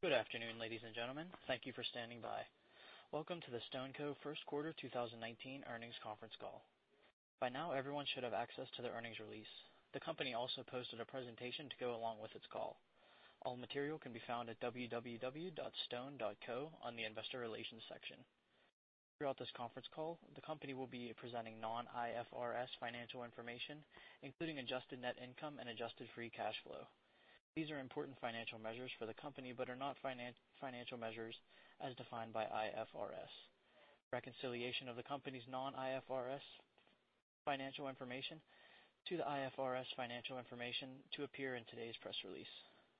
Good afternoon, ladies and gentlemen. Thank you for standing by. Welcome to the StoneCo first quarter 2019 earnings conference call. By now, everyone should have access to the earnings release. The company also posted a presentation to go along with its call. All material can be found at www.stone.co on the investor relations section. Throughout this conference call, the company will be presenting non-IFRS financial information, including adjusted net income and adjusted free cash flow. These are important financial measures for the company, but are not financial measures as defined by IFRS. Reconciliation of the company's non-IFRS financial information to the IFRS financial information to appear in today's press release.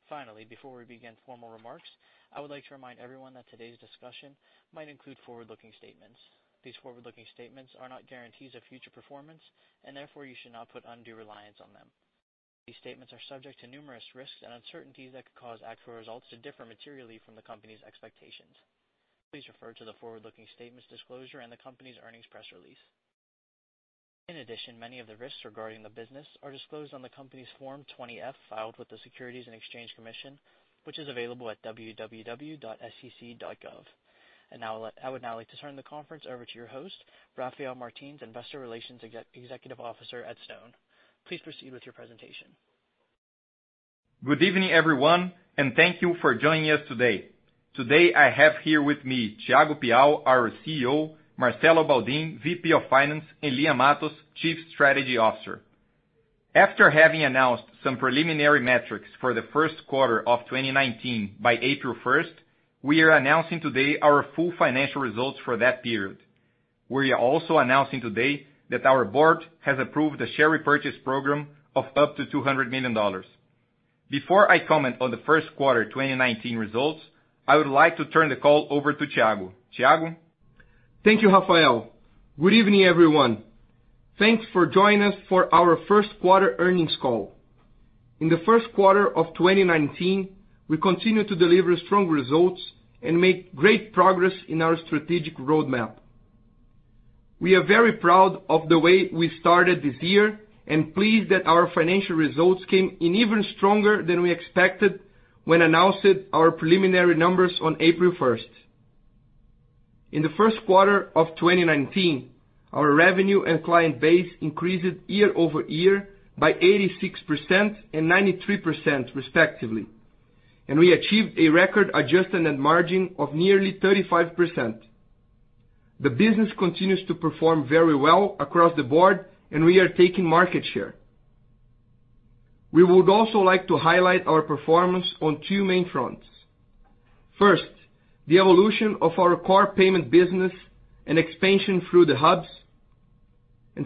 Finally, before we begin formal remarks, I would like to remind everyone that today's discussion might include forward-looking statements. These forward-looking statements are not guarantees of future performance, and therefore, you should not put undue reliance on them. These statements are subject to numerous risks and uncertainties that could cause actual results to differ materially from the company's expectations. Please refer to the forward-looking statements disclosure and the company's earnings press release. In addition, many of the risks regarding the business are disclosed on the company's Form 20-F filed with the Securities and Exchange Commission, which is available at www.sec.gov. I would now like to turn the conference over to your host, Rafael Martins, Investor Relations Executive Officer at Stone. Please proceed with your presentation. Good evening, everyone, and thank you for joining us today. Today, I have here with me Thiago Piau, our CEO, Marcelo Baldin, VP of Finance, and Lia Matos, Chief Strategy Officer. After having announced some preliminary metrics for the first quarter of 2019 by April 1st, we are announcing today our full financial results for that period. We are also announcing today that our board has approved a share repurchase program of up to $200 million. Before I comment on the first quarter 2019 results, I would like to turn the call over to Thiago. Thiago? Thank you, Rafael. Good evening, everyone. Thanks for joining us for our first quarter earnings call. In the first quarter of 2019, we continued to deliver strong results and make great progress in our strategic roadmap. We are very proud of the way we started this year and pleased that our financial results came in even stronger than we expected when announced our preliminary numbers on April 1st. In the first quarter of 2019, our revenue and client base increased year-over-year by 86% and 93% respectively. And we achieved a record adjusted net margin of nearly 35%. The business continues to perform very well across the board and we are taking market share. We would also like to highlight our performance on two main fronts. First, the evolution of our core payment business and expansion through the hubs.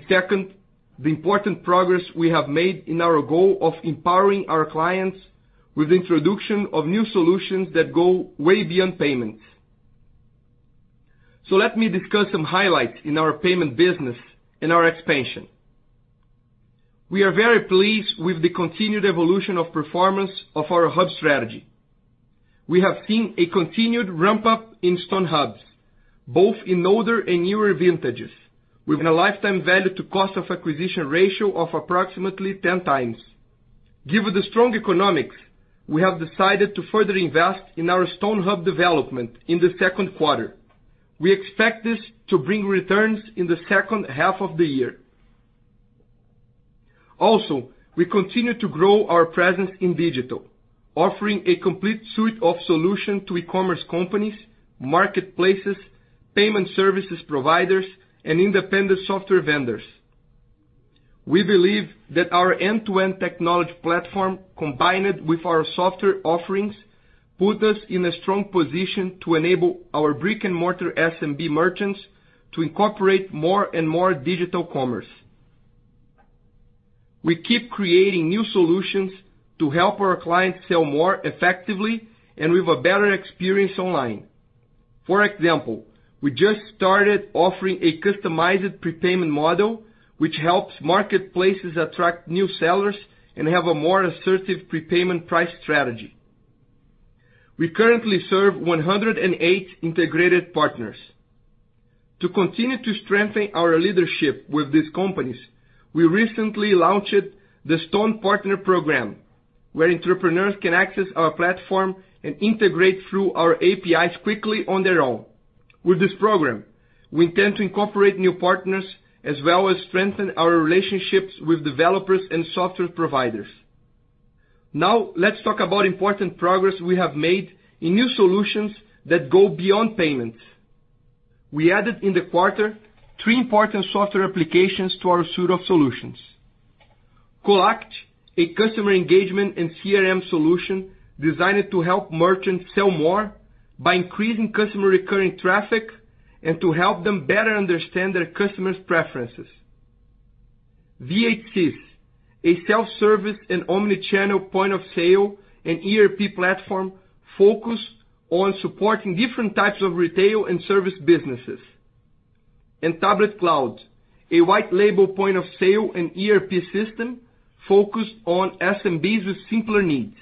Second, the important progress we have made in our goal of empowering our clients with introduction of new solutions that go way beyond payments. Let me discuss some highlights in our payment business and our expansion. We are very pleased with the continued evolution of performance of our hub strategy. We have seen a continued ramp-up in Stone hubs, both in older and newer vintages, with a lifetime value to cost of acquisition ratio of approximately 10 times. Given the strong economics, we have decided to further invest in our Stone hub development in the second quarter. We expect this to bring returns in the second half of the year. We continue to grow our presence in digital, offering a complete suite of solution to e-commerce companies, marketplaces, payment services providers, and independent software vendors. We believe that our end-to-end technology platform, combined with our software offerings, put us in a strong position to enable our brick-and-mortar SMB merchants to incorporate more and more digital commerce. We keep creating new solutions to help our clients sell more effectively and with a better experience online. For example, we just started offering a customized prepayment model, which helps marketplaces attract new sellers and have a more assertive prepayment price strategy. We currently serve 108 integrated partners. To continue to strengthen our leadership with these companies, we recently launched the Stone Partner Program, where entrepreneurs can access our platform and integrate through our APIs quickly on their own. With this program, we intend to incorporate new partners as well as strengthen our relationships with developers and software providers. Let's talk about important progress we have made in new solutions that go beyond payments. We added in the quarter three important software applications to our suite of solutions. Collact, a customer engagement and CRM solution designed to help merchants sell more by increasing customer recurring traffic and to help them better understand their customers' preferences. VHSYS a self-service and omni-channel point of sale and ERP platform focused on supporting different types of retail and service businesses. Tablet Cloud, a white label point of sale and ERP system focused on SMBs with simpler needs.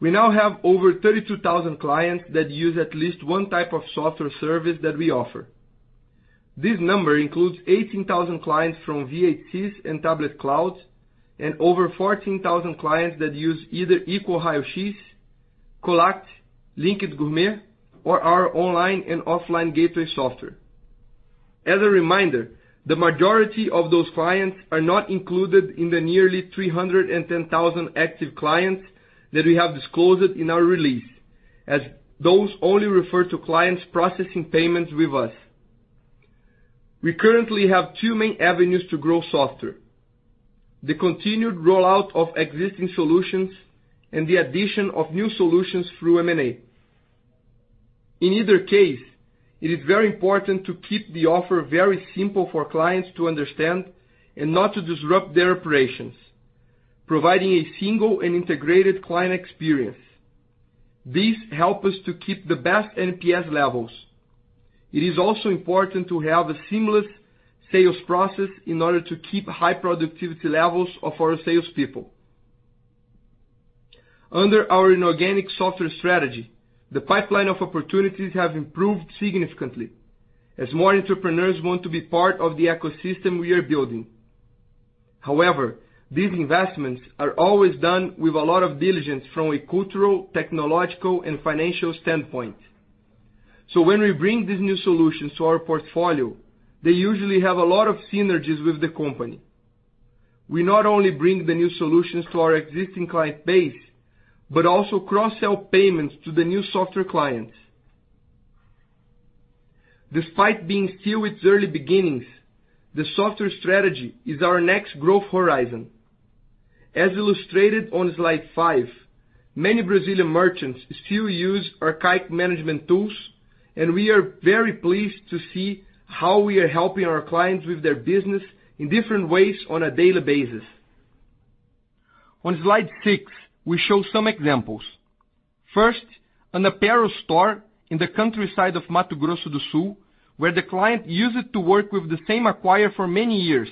We now have over 32,000 clients that use at least one type of software service that we offer. This number includes 18,000 clients from VHTs and Tablet Cloud, and over 14,000 clients that use either Equals Raio-X, Collact, Linx Gourmet, or our online and offline gateway software. As a reminder, the majority of those clients are not included in the nearly 310,000 active clients that we have disclosed in our release, as those only refer to clients processing payments with us. We currently have two main avenues to grow software. The continued rollout of existing solutions and the addition of new solutions through M&A. In either case, it is very important to keep the offer very simple for clients to understand and not to disrupt their operations, providing a single and integrated client experience. This help us to keep the best NPS levels. It is also important to have a seamless sales process in order to keep high productivity levels of our sales people. Under our inorganic software strategy, the pipeline of opportunities have improved significantly as more entrepreneurs want to be part of the ecosystem we are building. However, these investments are always done with a lot of diligence from a cultural, technological, and financial standpoint. When we bring these new solutions to our portfolio, they usually have a lot of synergies with the company. We not only bring the new solutions to our existing client base, but also cross-sell payments to the new software clients. Despite being still its early beginnings, the software strategy is our next growth horizon. As illustrated on slide five, many Brazilian merchants still use archaic management tools, and we are very pleased to see how we are helping our clients with their business in different ways on a daily basis. On slide six, we show some examples. First, an apparel store in the countryside of Mato Grosso do Sul, where the client used to work with the same acquirer for many years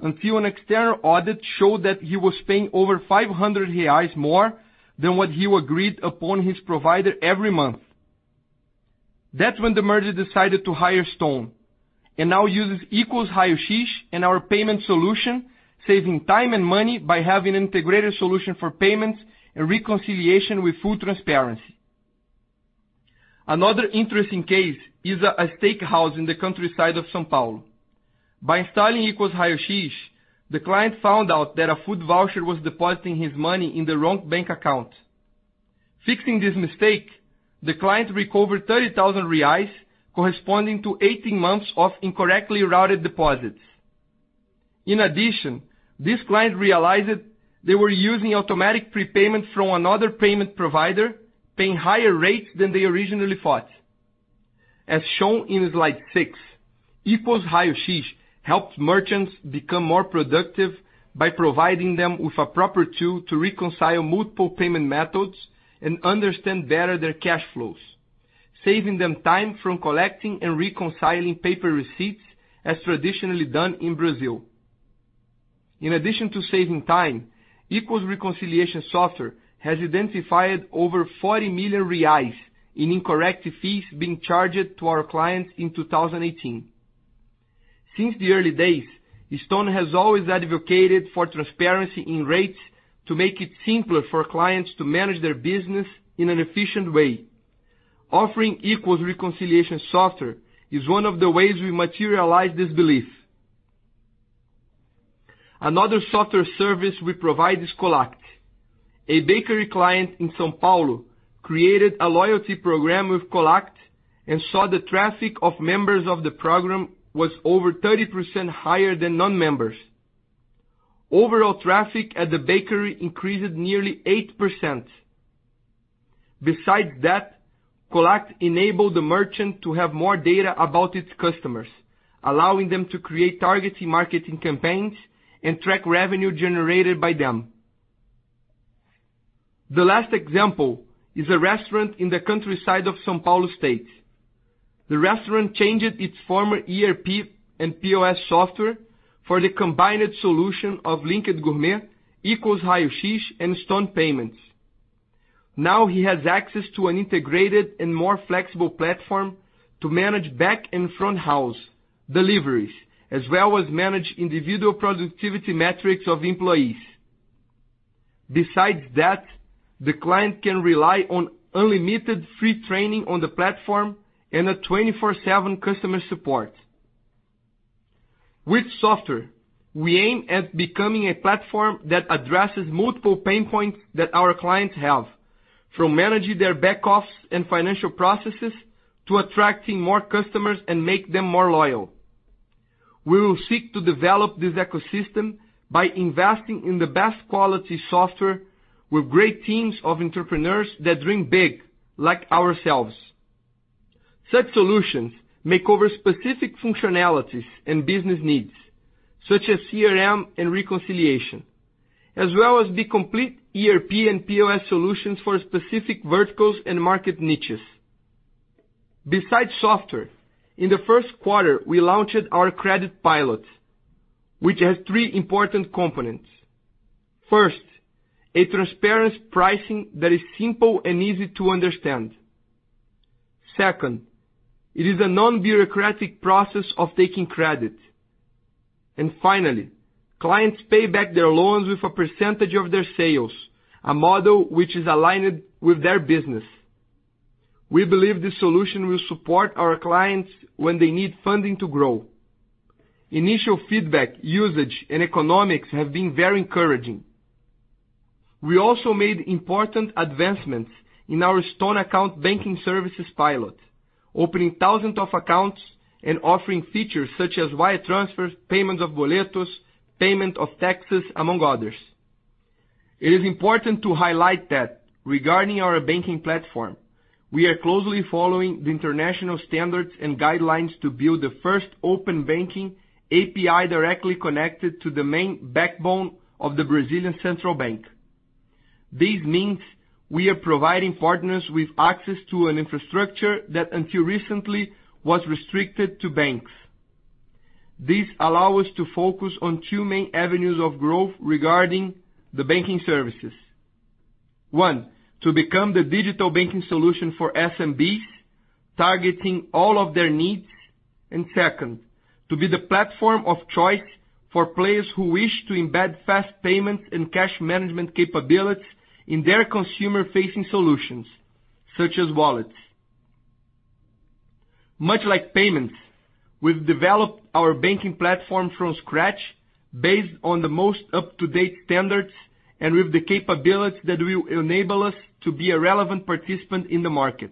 until an external audit showed that he was paying over 500 reais more than what he agreed upon his provider every month. That is when the merchant decided to hire Stone and now uses Eco Raio-X and our payment solution, saving time and money by having integrated solution for payments and reconciliation with full transparency. Another interesting case is a steakhouse in the countryside of São Paulo. By installing Eco Raio-X, the client found out that a food voucher was depositing his money in the wrong bank account. Fixing this mistake, the client recovered 30,000 reais corresponding to 18 months of incorrectly routed deposits. In addition, this client realized they were using automatic prepayments from another payment provider, paying higher rates than they originally thought. As shown in slide six, Eco Raio-X helps merchants become more productive by providing them with a proper tool to reconcile multiple payment methods and understand better their cash flows, saving them time from collecting and reconciling paper receipts as traditionally done in Brazil. In addition to saving time, Eco’s reconciliation software has identified over 40 million reais in incorrect fees being charged to our clients in 2018. Since the early days, Stone has always advocated for transparency in rates to make it simpler for clients to manage their business in an efficient way. Offering Eco’s reconciliation software is one of the ways we materialize this belief. Another software service we provide is Collact. A bakery client in São Paulo created a loyalty program with Collact and saw the traffic of members of the program was over 30% higher than non-members. Overall traffic at the bakery increased nearly 8%. Besides that, Collact enabled the merchant to have more data about its customers, allowing them to create targeted marketing campaigns and track revenue generated by them. The last example is a restaurant in the countryside of São Paulo state. The restaurant changed its former ERP and POS software for the combined solution of Linx Gourmet, Eco Raio-X, and Stone Payments. Now he has access to an integrated and more flexible platform to manage back and front house deliveries, as well as manage individual productivity metrics of employees. Besides that, the client can rely on unlimited free training on the platform and a 24/7 customer support. With software, we aim at becoming a platform that addresses multiple pain points that our clients have, from managing their back office and financial processes to attracting more customers and make them more loyal. We will seek to develop this ecosystem by investing in the best quality software with great teams of entrepreneurs that dream big like ourselves. Such solutions may cover specific functionalities and business needs, such as CRM and reconciliation, as well as the complete ERP and POS solutions for specific verticals and market niches. Besides software, in the first quarter, we launched our credit pilot, which has three important components. First, a transparent pricing that is simple and easy to understand. Second, it is a non-bureaucratic process of taking credit. Finally, clients pay back their loans with a percentage of their sales, a model which is aligned with their business. We believe this solution will support our clients when they need funding to grow. Initial feedback usage and economics have been very encouraging. We also made important advancements in our Stone banking accounts pilot, opening thousands of accounts and offering features such as wire transfers, payments of boletos, payment of taxes, among others. It is important to highlight that regarding our banking platform, we are closely following the international standards and guidelines to build the first open banking API directly connected to the main backbone of the Banco Central do Brasil. This means we are providing partners with access to an infrastructure that until recently was restricted to banks. This allow us to focus on two main avenues of growth regarding the banking services. One, to become the digital banking solution for SMBs, targeting all of their needs. Second, to be the platform of choice for players who wish to embed fast payments and cash management capabilities in their consumer-facing solutions, such as wallets. Much like payments, we've developed our banking platform from scratch based on the most up-to-date standards and with the capability that will enable us to be a relevant participant in the market.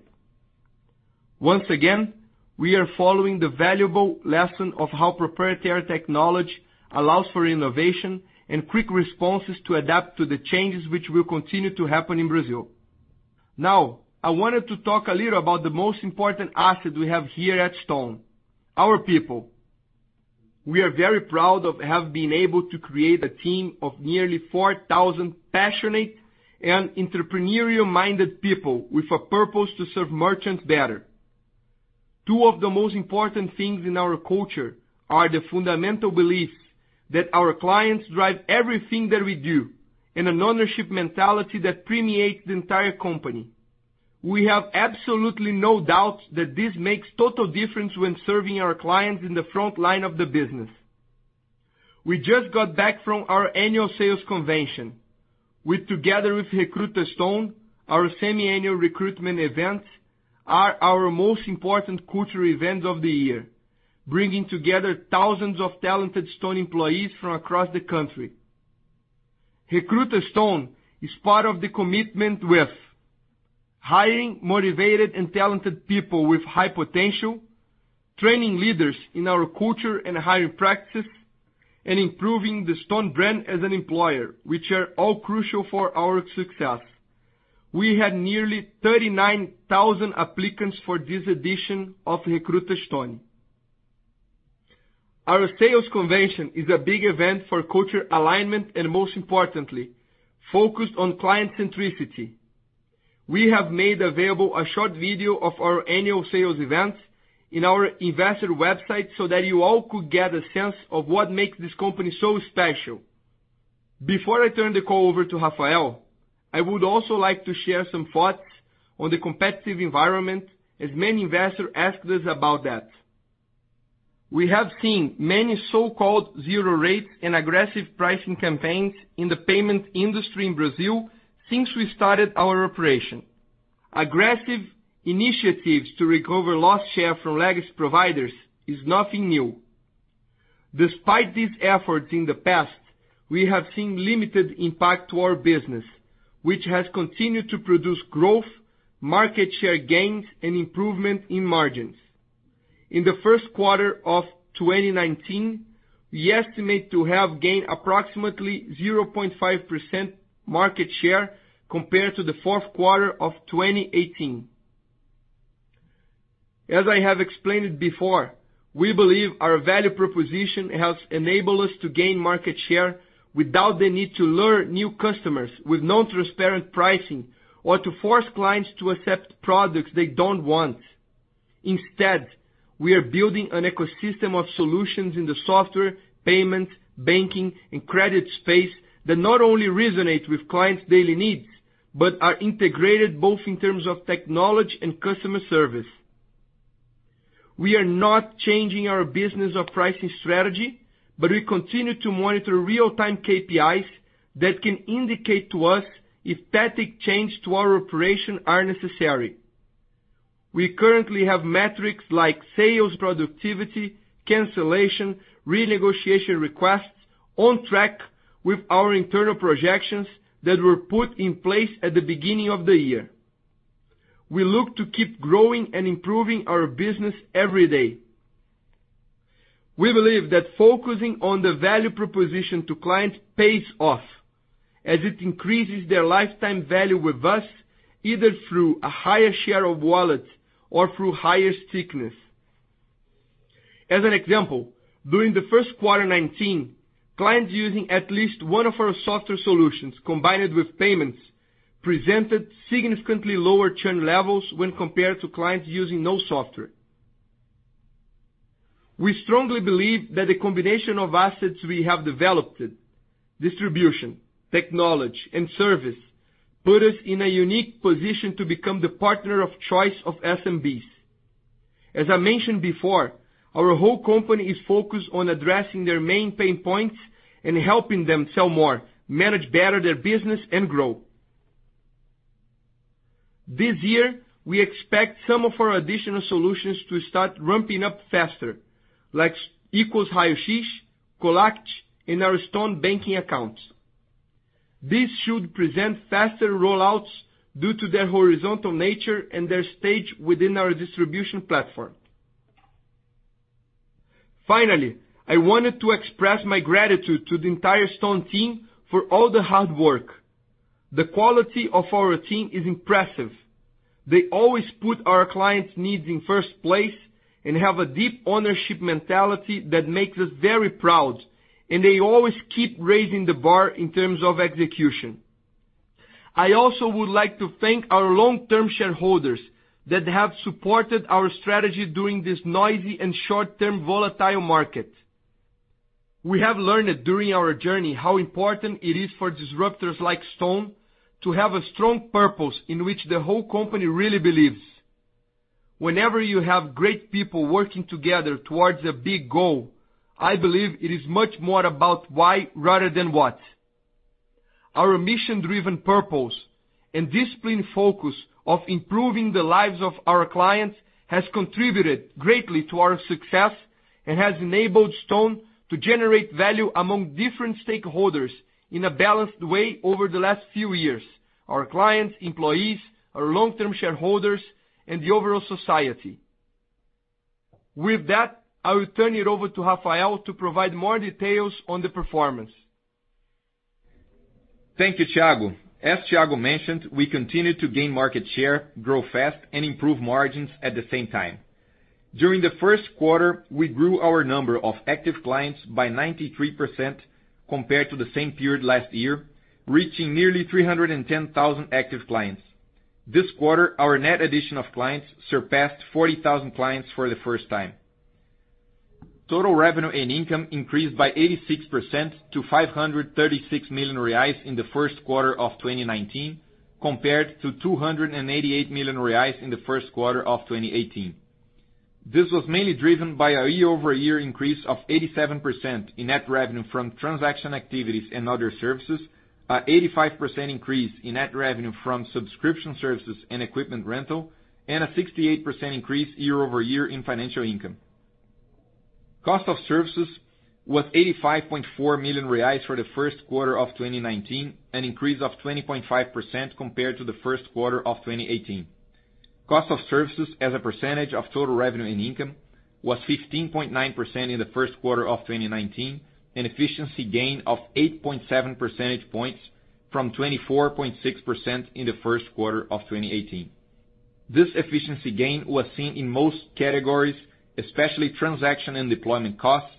Once again, we are following the valuable lesson of how proprietary technology allows for innovation and quick responses to adapt to the changes which will continue to happen in Brazil. Now, I wanted to talk a little about the most important asset we have here at Stone, our people. We are very proud of have been able to create a team of nearly 4,000 passionate and entrepreneurial-minded people with a purpose to serve merchants better. Two of the most important things in our culture are the fundamental beliefs that our clients drive everything that we do, and an ownership mentality that permeates the entire company. We have absolutely no doubts that this makes total difference when serving our clients in the front line of the business. We just got back from our annual sales convention, with together with Recruta Stone, our semiannual recruitment events are our most important cultural events of the year, bringing together thousands of talented Stone employees from across the country. Recruta Stone is part of the commitment with hiring motivated and talented people with high potential, training leaders in our culture and hiring practices, and improving the Stone brand as an employer, which are all crucial for our success. We had nearly 39,000 applicants for this edition of Recruta Stone. Our sales convention is a big event for culture alignment. Most importantly, focused on client centricity. We have made available a short video of our annual sales event in our investor website so that you all could get a sense of what makes this company so special. Before I turn the call over to Rafael, I would also like to share some thoughts on the competitive environment, as many investors asked us about that. We have seen many so-called zero rate and aggressive pricing campaigns in the payment industry in Brazil since we started our operation. Aggressive initiatives to recover lost share from legacy providers is nothing new. Despite these efforts in the past, we have seen limited impact to our business, which has continued to produce growth, market share gains, and improvement in margins. In the first quarter of 2019, we estimate to have gained approximately 0.5% market share compared to the fourth quarter of 2018. As I have explained before, we believe our value proposition has enabled us to gain market share without the need to lure new customers with non-transparent pricing or to force clients to accept products they don't want. Instead, we are building an ecosystem of solutions in the software, payment, banking, and credit space that not only resonate with clients' daily needs but are integrated both in terms of technology and customer service. We are not changing our business or pricing strategy. We continue to monitor real-time KPIs that can indicate to us if tactic change to our operation are necessary. We currently have metrics like sales productivity, cancellation, renegotiation requests on track with our internal projections that were put in place at the beginning of the year. We look to keep growing and improving our business every day. We believe that focusing on the value proposition to clients pays off as it increases their lifetime value with us, either through a higher share of wallet or through higher stickiness. As an example, during the first quarter 2019, clients using at least one of our software solutions combined with payments presented significantly lower churn levels when compared to clients using no software. We strongly believe that the combination of assets we have developed, distribution, technology, and service put us in a unique position to become the partner of choice of SMBs. As I mentioned before, our whole company is focused on addressing their main pain points and helping them sell more, manage better their business, and grow. This year, we expect some of our additional solutions to start ramping up faster, like Iguaçu, Collact, and our Stone banking accounts. This should present faster rollouts due to their horizontal nature and their stage within our distribution platform. Finally, I wanted to express my gratitude to the entire Stone team for all the hard work. The quality of our team is impressive. They always put our clients' needs in the first place and have a deep ownership mentality that makes us very proud. They always keep raising the bar in terms of execution. I also would like to thank our long-term shareholders that have supported our strategy during this noisy and short-term volatile market. We have learned during our journey how important it is for disruptors like Stone to have a strong purpose in which the whole company really believes. Whenever you have great people working together towards a big goal, I believe it is much more about why rather than what. Our mission-driven purpose and disciplined focus on improving the lives of our clients has contributed greatly to our success and has enabled Stone to generate value among different stakeholders in a balanced way over the last few years. Our clients, employees, our long-term shareholders, and the overall society. With that, I will turn it over to Rafael to provide more details on the performance. Thank you, Thiago. As Thiago mentioned, we continue to gain market share, grow fast, and improve margins at the same time. During the first quarter, we grew our number of active clients by 93% compared to the same period last year, reaching nearly 310,000 active clients. This quarter, our net addition of clients surpassed 40,000 clients for the first time. Total revenue and income increased by 86% to 536 million reais in the first quarter of 2019 compared to 288 million reais in the first quarter of 2018. This was mainly driven by a year-over-year increase of 87% in net revenue from transaction activities and other services, an 85% increase in net revenue from subscription services and equipment rental, and a 68% increase year-over-year in financial income. Cost of services was 85.4 million reais for the first quarter of 2019, an increase of 20.5% compared to the first quarter of 2018. Cost of services as a percentage of total revenue and income was 15.9% in the first quarter of 2019, an efficiency gain of 8.7 percentage points from 24.6% in the first quarter of 2018. This efficiency gain was seen in most categories, especially transaction and deployment costs,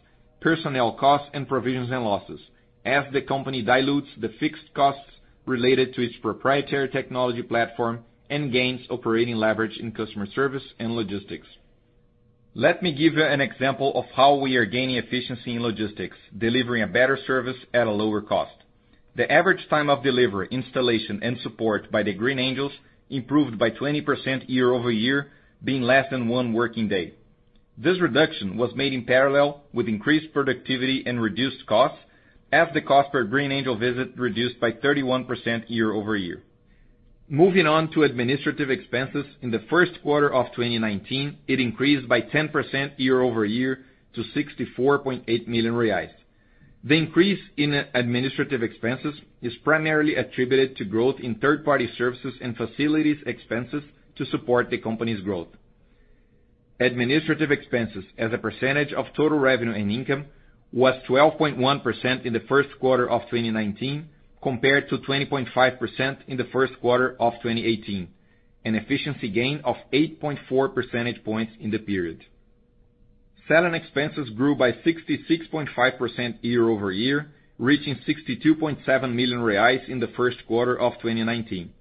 personnel costs, and provisions and losses, as the company dilutes the fixed costs related to its proprietary technology platform and gains operating leverage in customer service and logistics. Let me give you an example of how we are gaining efficiency in logistics, delivering a better service at a lower cost. The average time of delivery, installation, and support by the Green Angels improved by 20% year-over-year, being less than one working day. This reduction was made in parallel with increased productivity and reduced costs as the cost per Green Angel visit reduced by 31% year-over-year. Moving on to administrative expenses. In the first quarter of 2019, it increased by 10% year-over-year to 64.8 million reais. The increase in administrative expenses is primarily attributed to growth in third-party services and facilities expenses to support the company's growth. Administrative expenses as a percentage of total revenue and income was 12.1% in the first quarter of 2019, compared to 20.5% in the first quarter of 2018, an efficiency gain of 8.4 percentage points in the period. Selling expenses grew by 66.5% year-over-year, reaching 62.7 million reais in the first quarter of 2019.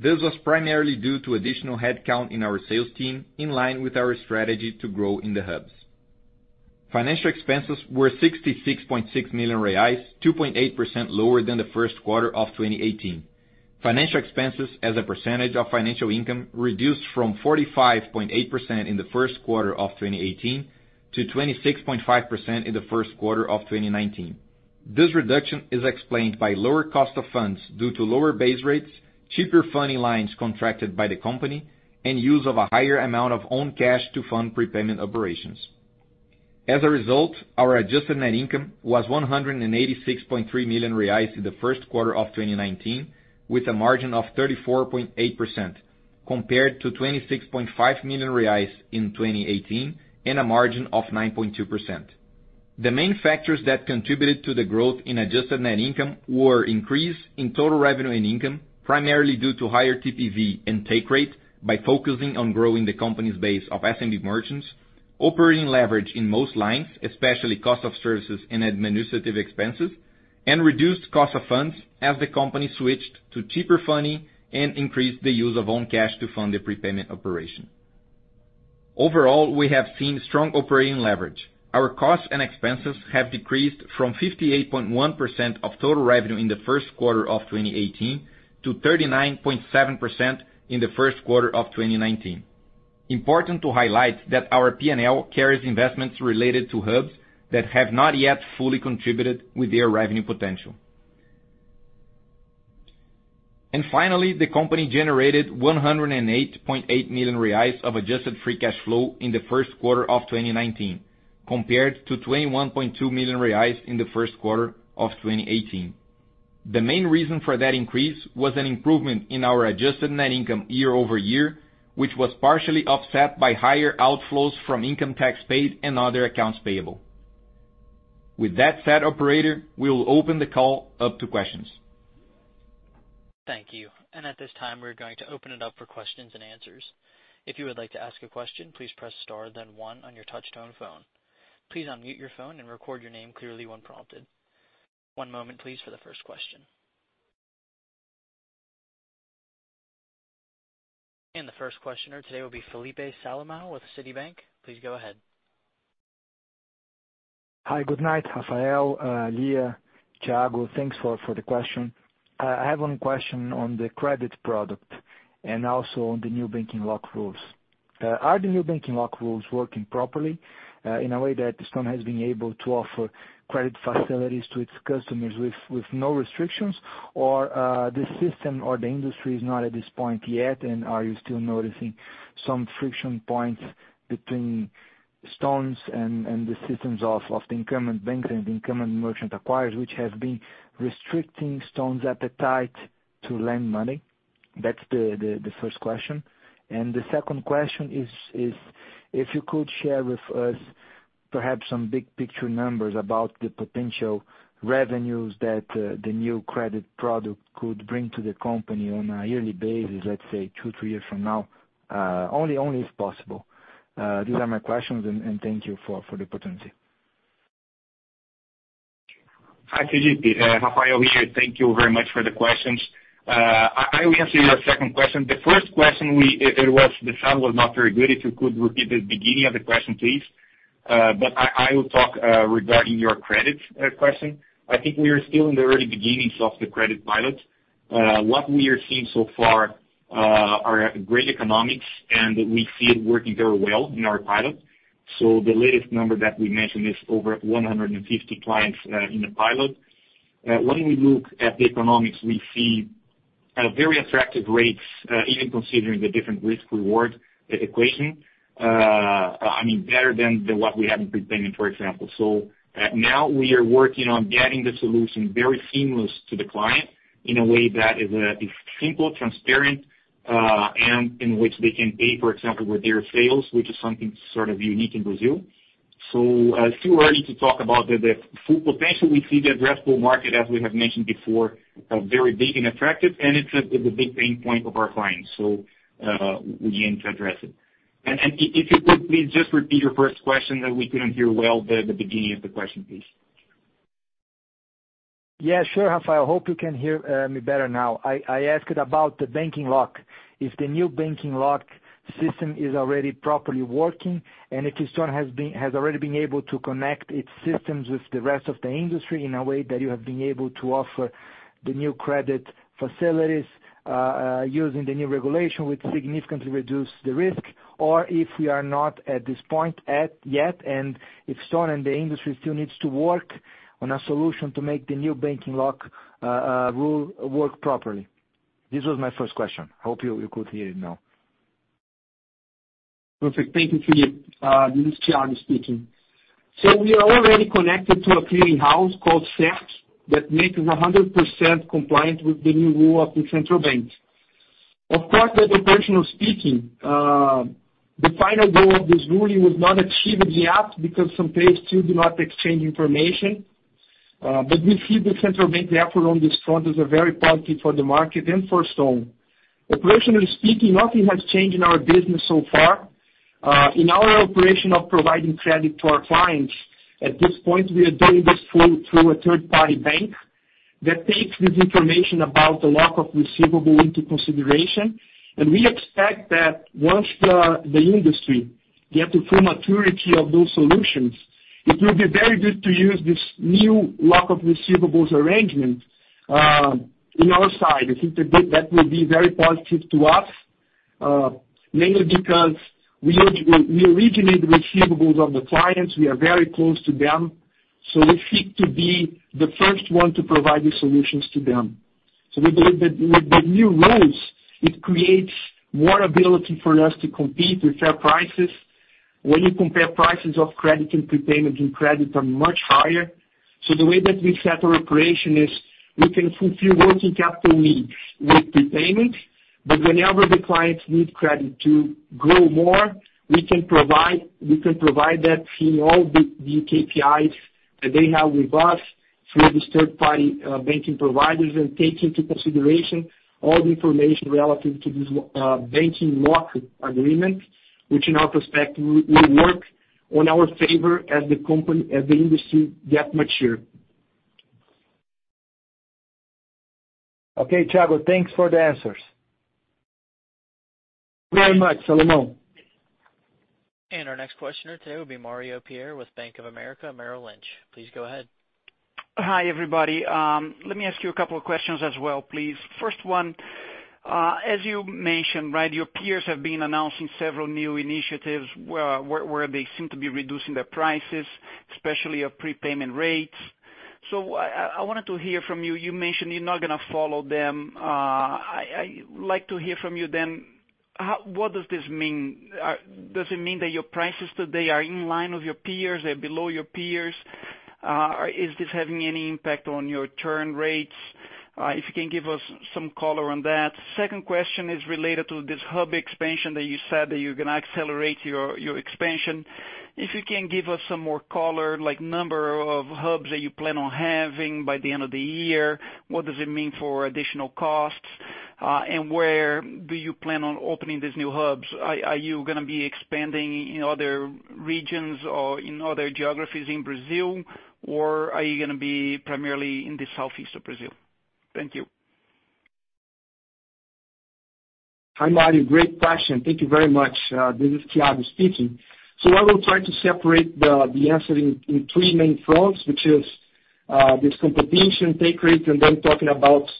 This was primarily due to additional headcount in our sales team, in line with our strategy to grow in the hubs. Financial expenses were 66.6 million reais, 2.8% lower than the first quarter of 2018. Financial expenses as a percentage of financial income reduced from 45.8% in the first quarter of 2018 to 26.5% in the first quarter of 2019. This reduction is explained by lower cost of funds due to lower base rates, cheaper funding lines contracted by the company, and use of a higher amount of own cash to fund prepayment operations. As a result, our adjusted net income was 186.3 million reais in the first quarter of 2019, with a margin of 34.8%, compared to 26.5 million reais in 2018 and a margin of 9.2%. The main factors that contributed to the growth in adjusted net income were increase in total revenue and income, primarily due to higher TPV and take rate by focusing on growing the company's base of SMB merchants, operating leverage in most lines, especially cost of services and administrative expenses, and reduced cost of funds as the company switched to cheaper funding and increased the use of own cash to fund the prepayment operation. Overall, we have seen strong operating leverage. Our costs and expenses have decreased from 58.1% of total revenue in the first quarter of 2018 to 39.7% in the first quarter of 2019. Important to highlight that our P&L carries investments related to hubs that have not yet fully contributed with their revenue potential. The company generated 108.8 million reais of adjusted free cash flow in the first quarter of 2019, compared to 21.2 million reais in the first quarter of 2018. The main reason for that increase was an improvement in our adjusted net income year-over-year, which was partially offset by higher outflows from income tax paid and other accounts payable. Operator, we will open the call up to questions. Thank you. At this time, we're going to open it up for questions and answers. If you would like to ask a question, please press star then one on your touchtone phone. Please unmute your phone and record your name clearly when prompted. One moment, please, for the first question. The first questioner today will be Felipe Salomao with Citibank. Please go ahead. Hi. Good night, Rafael, Lia, Thiago. Thanks for the question. I have one question on the credit product and also on the new trava bancária rules. Are the new trava bancária rules working properly in a way that Stone has been able to offer credit facilities to its customers with no restrictions? The system or the industry is not at this point yet, and are you still noticing some friction points between Stone's and the systems of the incumbent banks and the incumbent merchant acquirers, which have been restricting Stone's appetite to lend money? That's the first question. The second question is if you could share with us perhaps some big picture numbers about the potential revenues that the new credit product could bring to the company on a yearly basis, let's say two, three years from now. Only if possible. These are my questions, and thank you for the opportunity. Hi, Felipe. Rafael here. Thank you very much for the questions. I will answer your second question. The first question, the sound was not very good. If you could repeat the beginning of the question, please. I will talk regarding your credit question. I think we are still in the early beginnings of the credit pilot. What we are seeing so far are great economics, and we see it working very well in our pilot. The latest number that we mentioned is over 150 clients in the pilot. When we look at the economics, we see very attractive rates, even considering the different risk-reward equation. I mean, better than what we have in prepayment, for example. Now we are working on getting the solution very seamless to the client in a way that is simple, transparent, and in which they can pay, for example, with their sales, which is something sort of unique in Brazil. Too early to talk about the full potential. We see the addressable market, as we have mentioned before, very big and attractive, and it's a big pain point of our clients, so we aim to address it. If you could please just repeat your first question that we couldn't hear well the beginning of the question, please. Yeah, sure, Rafael. Hope you can hear me better now. I asked about the trava bancária. If the new trava bancária system is already properly working, and if Stone has already been able to connect its systems with the rest of the industry in a way that you have been able to offer the new credit facilities, using the new regulation, which significantly reduce the risk, or if we are not at this point yet, and if Stone and the industry still needs to work on a solution to make the new trava bancária rule work properly. This was my first question. Hope you could hear it now. Perfect. Thank you, Felipe. This is Thiago speaking. We are already connected to a clearing house called CERC that makes us 100% compliant with the new rule of the Central Bank. Of course, as a person speaking, the final goal of this ruling was not achieved yet because some players still do not exchange information. We see the Central Bank effort on this front is a very positive for the market and for Stone. Operationally speaking, nothing has changed in our business so far. In our operation of providing credit to our clients, at this point, we are doing this through a third-party bank that takes this information about the trava bancária into consideration. We expect that once the industry gets to full maturity of those solutions, it will be very good to use this new trava bancária arrangement on our side. I think that will be very positive to us. Mainly because we originate the receivables of the clients. We are very close to them. We seek to be the first one to provide these solutions to them. We believe that with the new rules, it creates more ability for us to compete with fair prices. When you compare prices of credit and prepayment and credit are much higher. The way that we set our operation is we can fulfill working capital needs with prepayment, but whenever the clients need credit to grow more, we can provide that through all the new KPIs that they have with us through these third-party banking providers and take into consideration all the information relative to this trava bancária agreement, which in our perspective, will work in our favor as the industry gets mature. Okay, Thiago, thanks for the answers. Very much, Salomao. Our next questioner today will be Mario Pierry with Bank of America Merrill Lynch. Please go ahead. Hi, everybody. Let me ask you a couple of questions as well, please. First one, as you mentioned, right, your peers have been announcing several new initiatives where they seem to be reducing their prices, especially your prepayment rates. I wanted to hear from you. You mentioned you're not going to follow them. I like to hear from you then, what does this mean? Does it mean that your prices today are in line with your peers, are below your peers? Is this having any impact on your churn rates? If you can give us some color on that. Second question is related to this hub expansion that you said that you're going to accelerate your expansion. If you can give us some more color, like number of hubs that you plan on having by the end of the year, what does it mean for additional costs? Where do you plan on opening these new hubs? Are you going to be expanding in other regions or in other geographies in Brazil, or are you going to be primarily in the southeast of Brazil? Thank you. Hi, Mario. Great question. Thank you very much. This is Thiago speaking. I will try to separate the answer in three main fronts, which is this competition take rate, and then talking about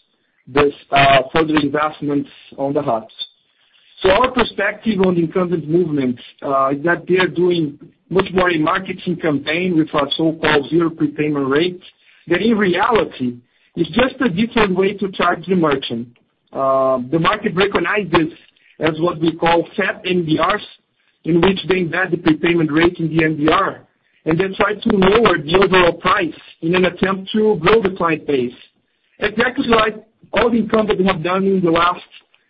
this further investments on the hubs. Our perspective on the incumbent movement is that they are doing much more a marketing campaign with our so-called zero prepayment rate. That in reality, is just a different way to charge the merchant. The market recognizes as what we call SAP MDRs, in which they embed the prepayment rate in the MDR, and then try to lower the overall price in an attempt to grow the client base. Exactly like all the incumbents have done in the last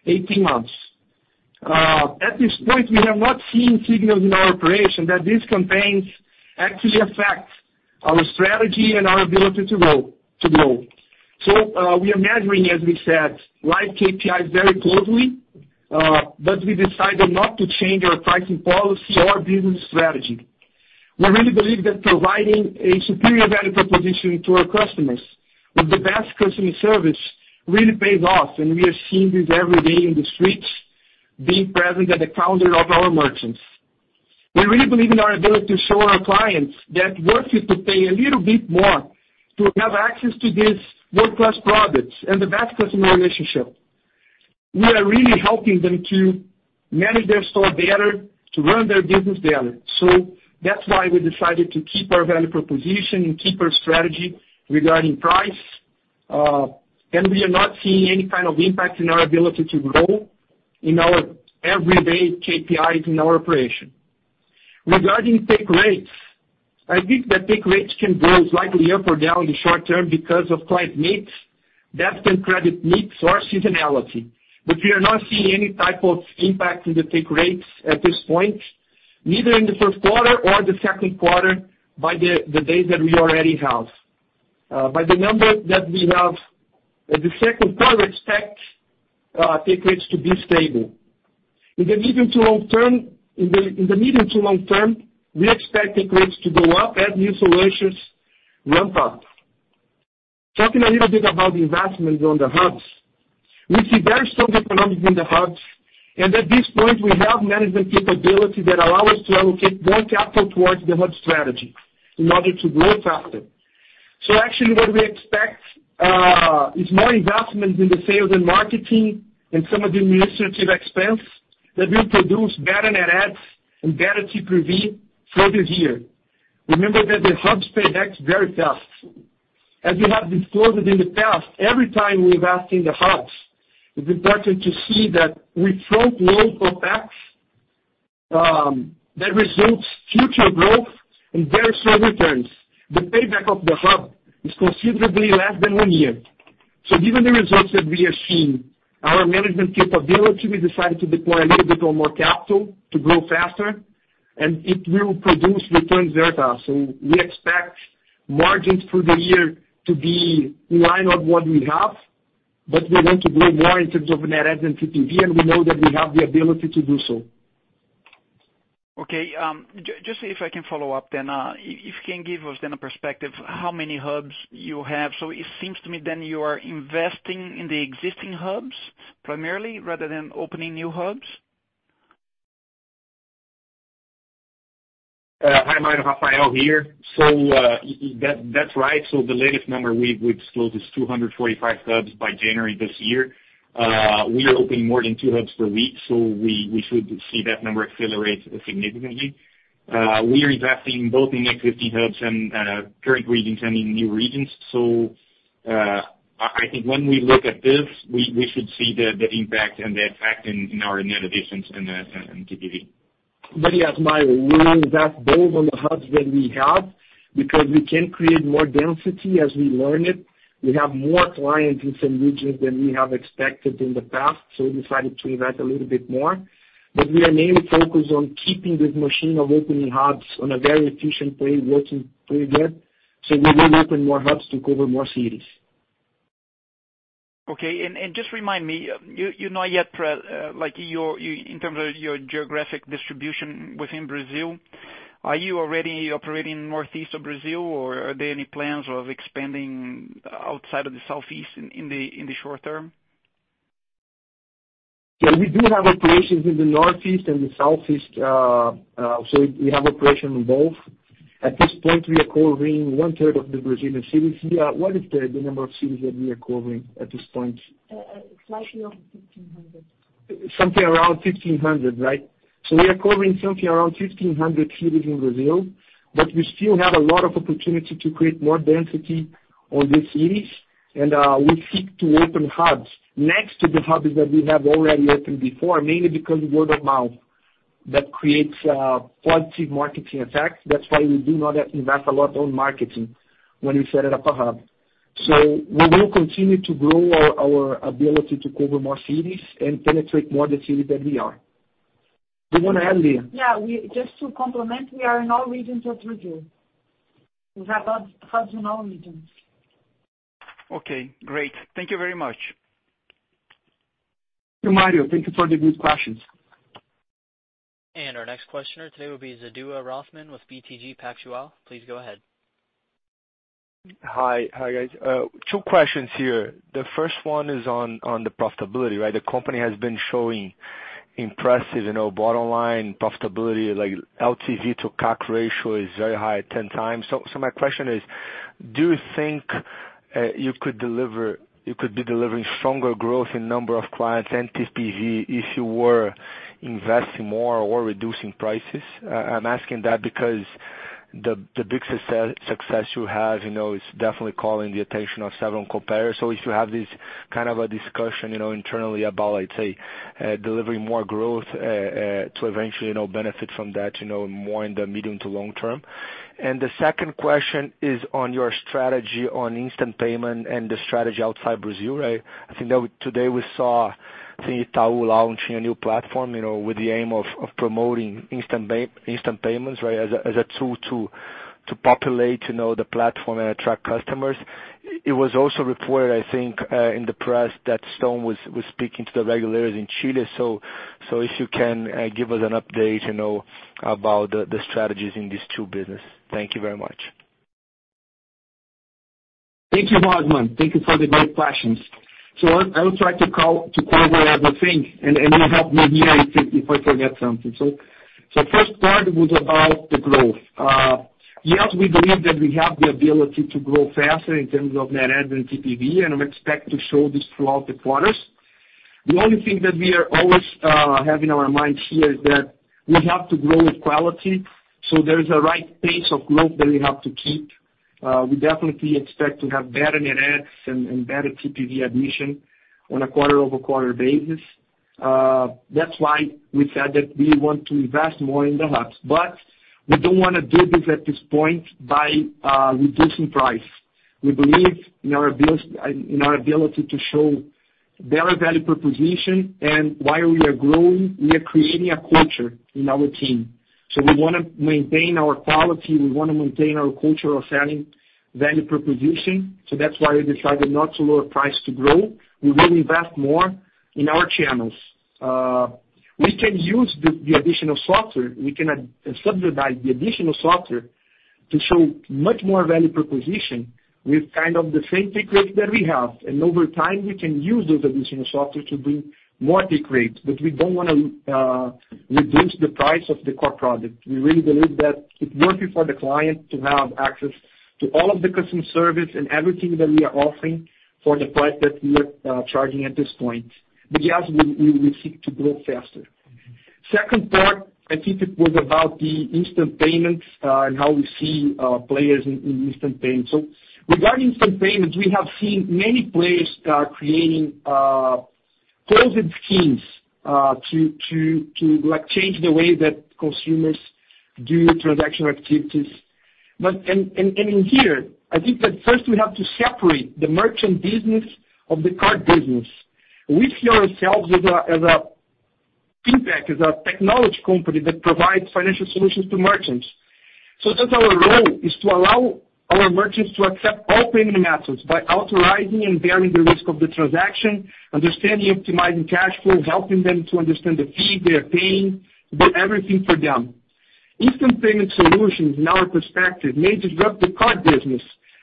18 months. At this point, we have not seen signals in our operation that these campaigns actually affect our strategy and our ability to grow. We are measuring, as we said, live KPIs very closely. We decided not to change our pricing policy or business strategy. We really believe that providing a superior value proposition to our customers with the best customer service really pays off, and we are seeing this every day in the streets, being present at the counter of our merchants. We really believe in our ability to show our clients that it's worth it to pay a little bit more to have access to these world-class products and the best customer relationship. We are really helping them to manage their store better, to run their business better. That's why we decided to keep our value proposition and keep our strategy regarding price. We are not seeing any kind of impact in our ability to grow in our everyday KPIs in our operation. Regarding take rates, I think that take rates can go slightly up or down in the short term because of client mix, debt and credit mix, or seasonality. We are not seeing any type of impact in the take rates at this point, neither in the first quarter or the second quarter by the days that we already have. By the number that we have at the second quarter, expect take rates to be stable. In the medium to long term, we expect take rates to go up as new solutions ramp up. Talking a little bit about the investments on the hubs. We see very strong economics in the hubs, and at this point we have management capability that allow us to allocate more capital towards the hub strategy in order to grow faster. Actually what we expect is more investments in the sales and marketing and some of the administrative expense that will produce better net adds and better TPV for this year. Remember that the hubs pay back very fast. As we have disclosed it in the past, every time we invest in the hubs, it's important to see that we front-load for tax that results future growth and very slow returns. The payback of the hub is considerably less than one year. Given the results that we have seen, our management capability, we decided to deploy a little bit more capital to grow faster, and it will produce returns very fast. We expect margins for the year to be in line of what we have, we want to grow more in terms of net adds and TPV, we know that we have the ability to do so. Okay. If I can follow up. If you can give us a perspective, how many hubs you have? It seems to me you are investing in the existing hubs primarily, rather than opening new hubs? Hi, Mario. Rafael here. That's right. The latest number we've disclosed is 245 hubs by January this year. We are opening more than two hubs per week, we should see that number accelerate significantly. We are investing both in existing hubs and current regions and in new regions. I think when we look at this, we should see the impact and the effect in our net additions and TPV. Yes, Mario, we will invest both on the hubs that we have, because we can create more density as we learn it. We have more clients in some regions than we have expected in the past, we decided to invest a little bit more. We are mainly focused on keeping this machine of opening hubs on a very efficient way, working pretty well. We may open more hubs to cover more cities. Okay, just remind me, you're not yet like in terms of your geographic distribution within Brazil. Are you already operating in northeast of Brazil or are there any plans of expanding outside of the southeast in the short term? Yeah, we do have operations in the northeast and the southeast. We have operation in both. At this point, we are covering one third of the Brazilian cities. Lia, what is the number of cities that we are covering at this point? Slightly over 1,500. Something around 1,500, right? We are covering something around 1,500 cities in Brazil, we still have a lot of opportunity to create more density on these cities. We seek to open hubs next to the hubs that we have already opened before. Mainly because word of mouth that creates a positive marketing effect. That's why we do not invest a lot on marketing when we set up a hub. We will continue to grow our ability to cover more cities and penetrate more the cities that we are. Do you want to add, Lia? Yeah. Just to complement, we are in all regions of Brazil. We have hubs in all regions. Okay, great. Thank you very much. Thank you, Mario. Thank you for the good questions. Our next questioner today will be Eduardo Roffman with BTG Pactual. Please go ahead. Hi, guys. Two questions here. The first one is on the profitability, right? The company has been showing impressive bottom line profitability, like LTV to CAC ratio is very high at 10 times. My question is: do you think you could be delivering stronger growth in number of clients and TPV if you were investing more or reducing prices? I'm asking that because the biggest success you have, it's definitely calling the attention of several competitors. If you have this kind of a discussion internally about, let's say, delivering more growth, to eventually benefit from that more in the medium to long term. The second question is on your strategy on instant payment and the strategy outside Brazil, right? I think that today we saw Itaú launching a new platform, with the aim of promoting instant payments, right, as a tool to populate the platform and attract customers. It was also reported, I think, in the press that Stone was speaking to the regulators in Chile. If you can give us an update about the strategies in these two business. Thank you very much. Thank you, Roffman. Thank you for the great questions. I will try to cover everything. You help me here if I forget something. First part was about the growth. Yes, we believe that we have the ability to grow faster in terms of net add and TPV, and I expect to show this throughout the quarters. The only thing that we always have in our minds here is that we have to grow with quality. There is a right pace of growth that we have to keep. We definitely expect to have better net adds and better TPV admission on a quarter-over-quarter basis. That's why we said that we want to invest more in the hubs. We don't want to do this at this point by reducing price. We believe in our ability to show better value proposition. While we are growing, we are creating a culture in our team. We want to maintain our quality, we want to maintain our culture of selling value proposition. That's why we decided not to lower price to grow. We will invest more in our channels. We can use the additional software. We can subsidize the additional software to show much more value proposition with kind of the same take rate that we have. Over time, we can use those additional software to bring more take rate. We don't want to reduce the price of the core product. We really believe that it's worth it for the client to have access to all of the customer service and everything that we are offering for the price that we are charging at this point. Yes, we seek to grow faster. Second part, I think it was about the instant payments, and how we see players in instant payments. Regarding instant payments, we have seen many players start creating closed schemes to change the way that consumers do transaction activities. In here, I think that first we have to separate the merchant business of the card business. We see ourselves as a technology company that provides financial solutions to merchants. That's our role, is to allow our merchants to accept all payment methods by authorizing and bearing the risk of the transaction, understanding, optimizing cash flow, helping them to understand the fee they are paying, do everything for them. Instant payment solutions, in our perspective, may disrupt the card business,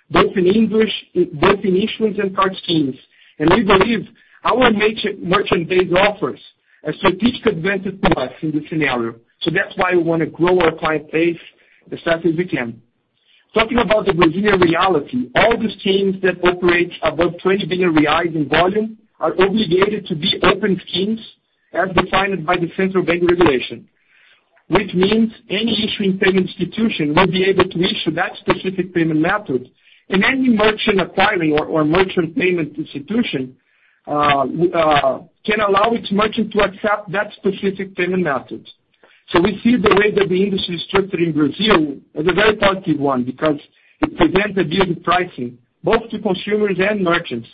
both in issuance and card schemes. We believe our merchant-based offers a strategic advantage to us in this scenario. That's why we want to grow our client base as fast as we can. Talking about the Brazilian reality, all the schemes that operate above 20 billion reais in volume are obligated to be open schemes as defined by the Banco Central do Brasil regulation. Which means any issuing payment institution will be able to issue that specific payment method. Any merchant acquiring or merchant payment institution can allow its merchant to accept that specific payment method. We see the way that the industry is structured in Brazil as a very positive one because it prevents abusive pricing, both to consumers and merchants.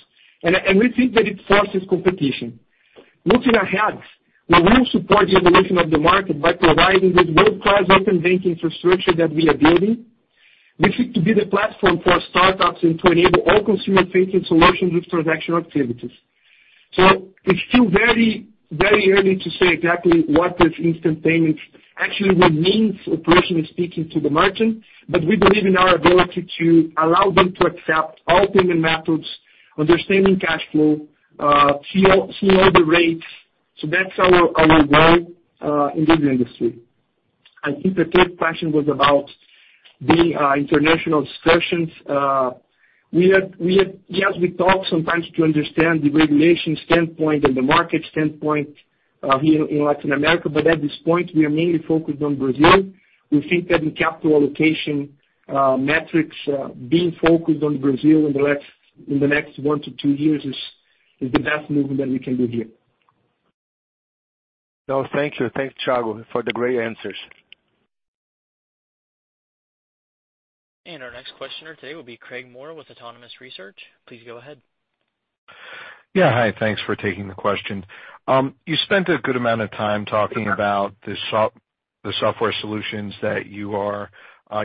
We think that it forces competition. Looking ahead, we will support the evolution of the market by providing this world-class open banking infrastructure that we are building. This will be the platform for startups and to enable all consumer-facing solutions with transaction activities. It's still very early to say exactly what this instant payments actually will mean for operationally speaking to the margin. We believe in our ability to allow them to accept all payment methods, understanding cash flow, see all the rates. That's our role in the industry. I think the third question was about the international discussions. Yes, we talk sometimes to understand the regulation standpoint and the market standpoint here in Latin America. At this point, we are mainly focused on Brazil. We think that in capital allocation metrics being focused on Brazil in the next one to two years is the best movement that we can do here. No, thank you. Thanks, Thiago, for the great answers. Our next questioner today will be Craig Moore with Autonomous Research. Please go ahead. Yeah. Hi, thanks for taking the question. You spent a good amount of time talking about the software solutions that you are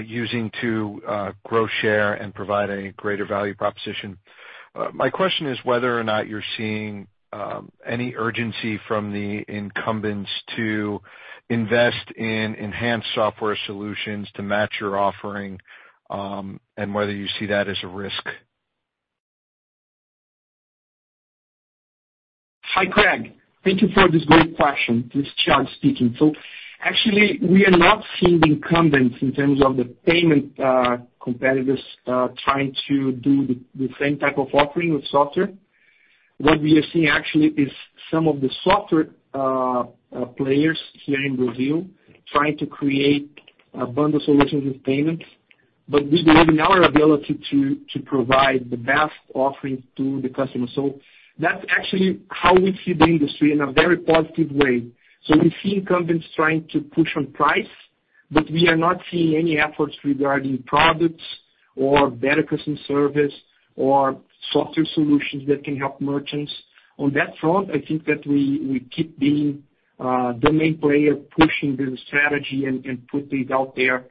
using to grow share and provide a greater value proposition. My question is whether or not you're seeing any urgency from the incumbents to invest in enhanced software solutions to match your offering, and whether you see that as a risk. Hi, Craig. Thank you for this great question. This is Thiago speaking. Actually, we are not seeing the incumbents in terms of the payment competitors trying to do the same type of offering with software. What we are seeing actually is some of the software players here in Brazil trying to create a bundle solutions with payments. We believe in our ability to provide the best offerings to the customer. That's actually how we see the industry in a very positive way. We see incumbents trying to push on price, but we are not seeing any efforts regarding products or better customer service or software solutions that can help merchants. On that front, I think that we keep being the main player pushing the strategy and put it out there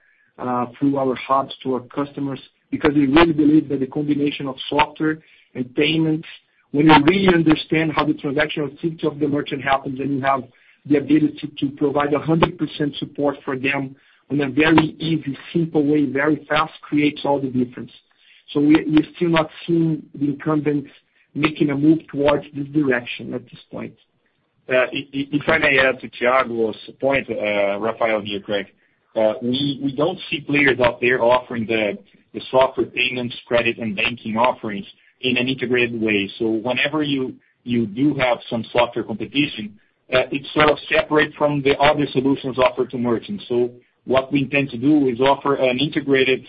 through our hubs to our customers. We really believe that the combination of software and payments, when you really understand how the transactional fit of the merchant happens, and you have the ability to provide 100% support for them in a very easy, simple way, very fast, creates all the difference. We're still not seeing the incumbents making a move towards this direction at this point. If I may add to Thiago's point, Rafael here, Craig. We don't see players out there offering the software payments, credit, and banking offerings in an integrated way. Whenever you do have some software competition, it's sort of separate from the other solutions offered to merchants. What we intend to do is offer an integrated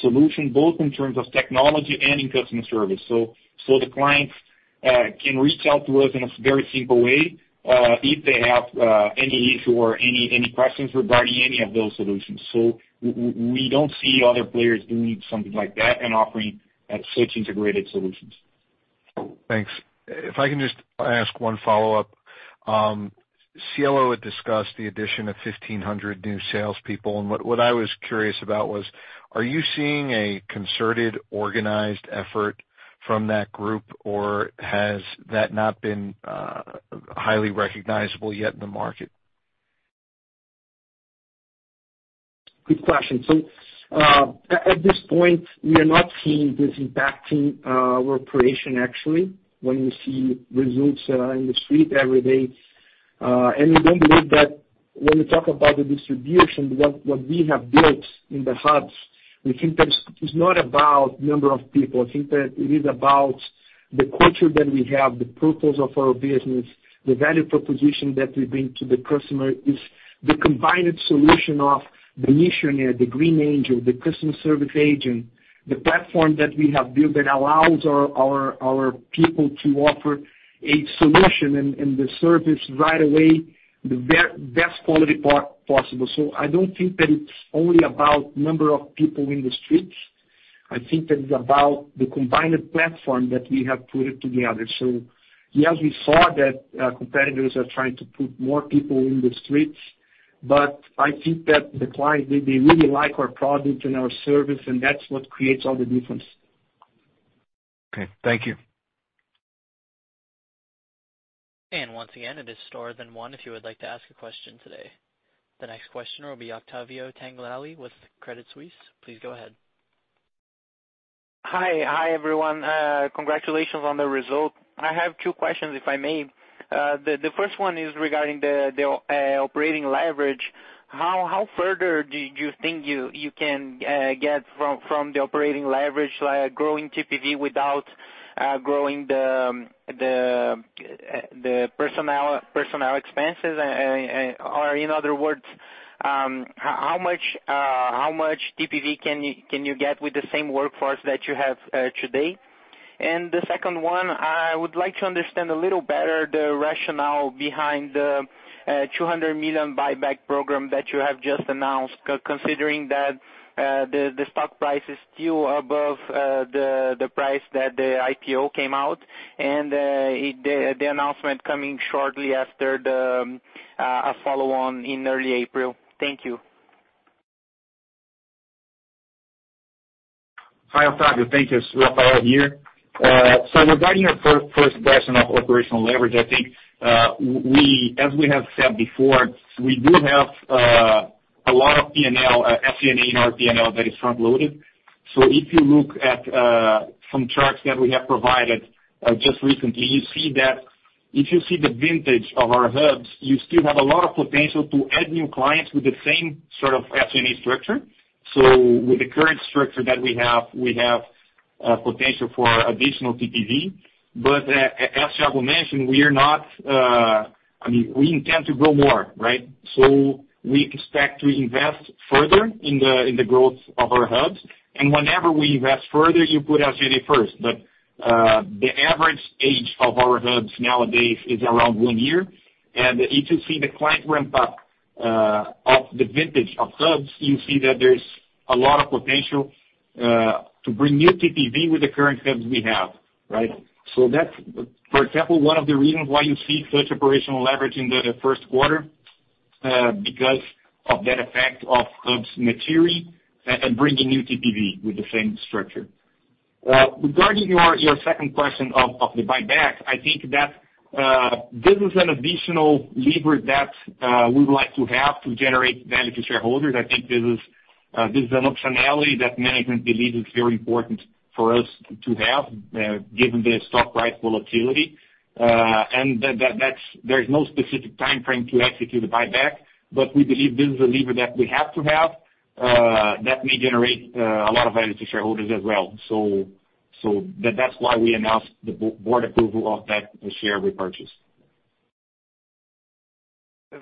solution, both in terms of technology and in customer service. The clients can reach out to us in a very simple way if they have any issue or any questions regarding any of those solutions. We don't see other players doing something like that and offering such integrated solutions. Thanks. If I can just ask one follow-up. Cielo had discussed the addition of 1,500 new salespeople. What I was curious about was, are you seeing a concerted, organized effort from that group, or has that not been highly recognizable yet in the market? Good question. At this point, we are not seeing this impacting our operation actually, when we see results in the street every day. We don't believe that when we talk about the distribution, what we have built in the hubs, we think that it's not about number of people. I think that it is about the culture that we have, the purpose of our business, the value proposition that we bring to the customer is the combined solution of the missionary, the Green Angel, the customer service agent, the platform that we have built that allows our people to offer a solution and the service right away, the best quality possible. I don't think that it's only about number of people in the streets. I think that it's about the combined platform that we have put together. Yes, we saw that competitors are trying to put more people in the streets, but I think that the clients, they really like our product and our service, and that's what creates all the difference. Okay. Thank you. Once again, it is star 1 if you would like to ask a question today. The next questioner will be Octavio Tangulli with Credit Suisse. Please go ahead. Hi. Hi, everyone. Congratulations on the result. I have two questions, if I may. The first one is regarding the operating leverage, like growing TPV without growing the personnel expenses? Or in other words, how much TPV can you get with the same workforce that you have today? Second one, I would like to understand a little better the rationale behind the $200 million buyback program that you have just announced, considering that the stock price is still above the price that the IPO came out and the announcement coming shortly after the follow-on in early April. Thank you. Hi, Octavio. Thank you. It's Rafael here. Regarding your first question of operational leverage, I think, as we have said before, we do have a lot of P&L, FCFE and RP&L that is front-loaded. If you look at some charts that we have provided just recently, you see that if you see the vintage of our hubs, you still have a lot of potential to add new clients with the same sort of FCFE structure. With the current structure that we have, we have potential for additional TPV. As Thiago mentioned, we intend to grow more, right? We expect to invest further in the growth of our hubs. Whenever we invest further, you put FCFE first. The average age of our hubs nowadays is around one year. If you see the client ramp up of the vintage of hubs, you see that there is a lot of potential to bring new TPV with the current hubs we have, right? That is, for example, one of the reasons why you see such operational leverage in the first quarter, because of that effect of hubs maturing and bringing new TPV with the same structure. Regarding your second question of the buyback, this is an additional lever that we would like to have to generate value to shareholders. This is an optionality that management believes is very important for us to have, given the stock price volatility. There is no specific timeframe to execute a buyback, but we believe this is a lever that we have to have, that may generate a lot of value to shareholders as well. That is why we announced the board approval of that share repurchase.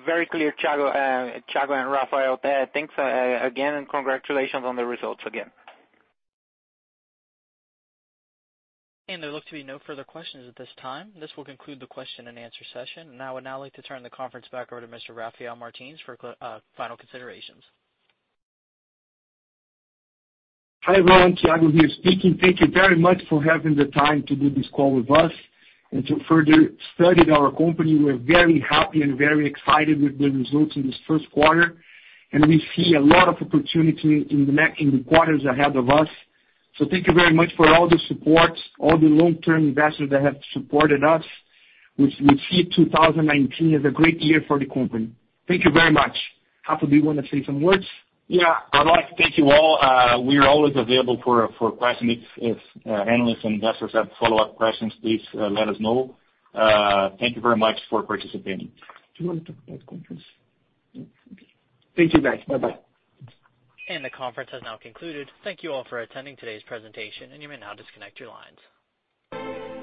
Very clear, Thiago and Rafael. Thanks again. Congratulations on the results again. There look to be no further questions at this time. This will conclude the question and answer session. I would now like to turn the conference back over to Mr. Rafael Martins for final considerations. Hi, everyone. Thiago here speaking. Thank you very much for having the time to do this call with us and to further study our company. We're very happy and very excited with the results in this first quarter, and we see a lot of opportunity in the quarters ahead of us. Thank you very much for all the support, all the long-term investors that have supported us. We see 2019 as a great year for the company. Thank you very much. Rafael, do you want to say some words? Yeah. I'd like to thank you all. We are always available for questions. If analysts and investors have follow-up questions, please let us know. Thank you very much for participating. Do you want to talk about conference? No, it's okay. Thank you, guys. Bye-bye. The conference has now concluded. Thank you all for attending today's presentation, and you may now disconnect your lines.